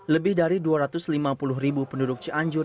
lebih dari dua ratus lima puluh ribu penduduk cianjur